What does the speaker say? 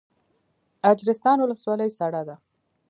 اجرستان ولسوالۍ سړه ده؟